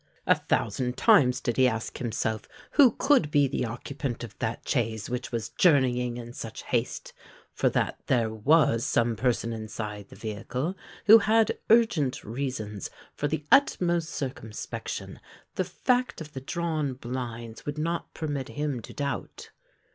A thousand times did he ask himself who could be the occupant of that chaise which was journeying in such haste? for that there was some person inside the vehicle, who had urgent reasons for the utmost circumspection, the fact of the drawn blinds would not permit him to doubt.